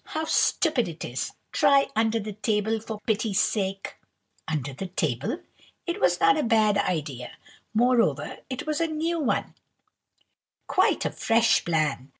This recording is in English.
"How stupid it is! Try under the table, for pity's sake." Under the table! it was not a bad idea; moreover, it was a new one—quite a fresh plan.